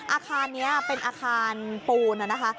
อาคารนี้เป็นอาคารปูนนะคะ